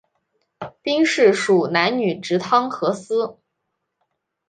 兵事属南女直汤河司。